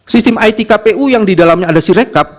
sistem it kpu yang didalamnya ada sirekap